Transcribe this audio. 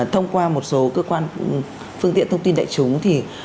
thông qua một số cơ quan phương tiện thông tin đại chúng